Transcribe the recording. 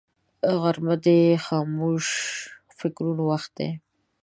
غرمه د خاموش فکرونو وخت دی